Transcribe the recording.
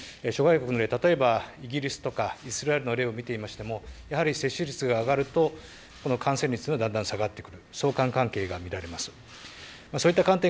諸外国でたとえばイギリスとかイスラエルの例を見てみましても、やはり接種率が上がると、この感染率がだんだん下がっていく、相関関係が見られます。